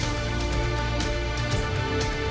เหลือถึงนักการะมอบเที่ยว